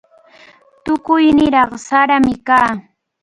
Tukuy niraq sarami kan.